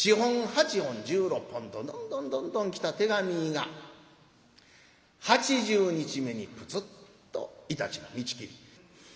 ４本８本１６本とどんどんどんどん来た手紙が８０日目にプツッといたちの道切り。